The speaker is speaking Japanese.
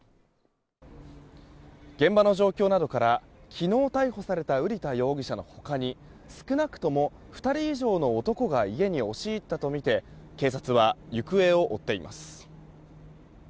現場の状況などから昨日逮捕された瓜田容疑者の他に少なくとも２人以上の男が家に押し入ったとみて警察は行方を追っています。